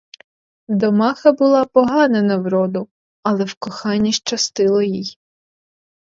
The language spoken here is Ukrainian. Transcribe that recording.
Домаха була погана на вроду, але в коханні щастило їй.